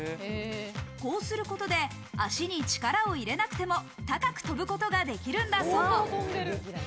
こうすることで足に力を入れなくても高く跳ぶことができるんだそう。